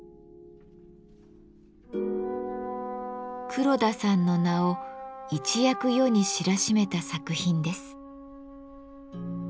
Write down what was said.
黒田さんの名を一躍世に知らしめた作品です。